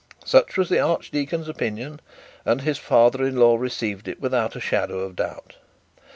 Such was the archdeacon's opinion, and his father in law received it without a shadow of doubt.